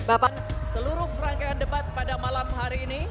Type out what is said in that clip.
bapak seluruh rangkaian debat pada malam hari ini